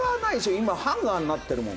今、ハンガーになってるもん」